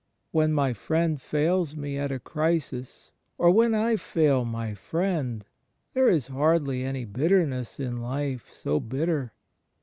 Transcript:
When my friend fails me at a crisis or when I fail my friend, there is hardly any bitterness in life so bitter.